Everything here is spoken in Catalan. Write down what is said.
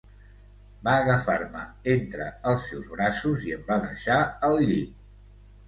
Va agafar-me entre els seus braços i em va deixar al llit.